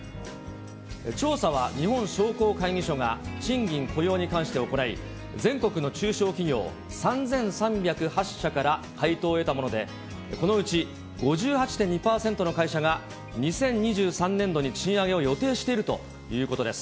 調査は日本商工会議所が、賃金、雇用に関して行い、全国の中小企業３３０８社から回答を得たもので、このうち、５８．２％の会社が、２０２３年度に賃上げを予定しているということです。